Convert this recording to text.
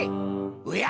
おや！